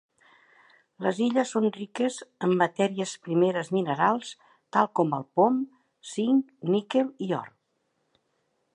Les illes són riques en matèries primeres minerals tals com plom, zinc, níquel, i or.